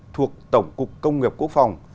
thuộc tổng cục công nghiệp quốc phòng